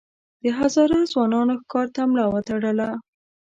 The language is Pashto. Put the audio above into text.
د هزاره ځوانانو ښکار ته ملا وتړله.